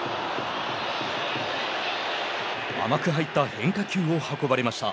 甘く入った変化球を運ばれました。